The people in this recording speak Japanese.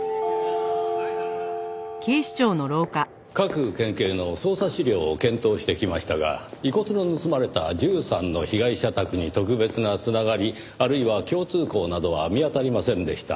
各県警の捜査資料を検討してきましたが遺骨の盗まれた１３の被害者宅に特別な繋がりあるいは共通項などは見当たりませんでした。